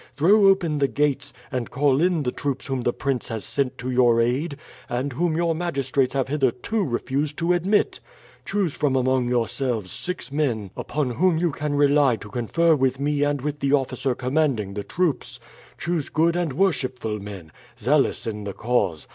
Throw open the gates, and call in the troops whom the prince has sent to your aid, and whom your magistrates have hitherto refused to admit. Choose from among yourselves six men upon whom you can rely to confer with me and with the officer commanding the troops. Choose good and worshipful men, zealous in the cause.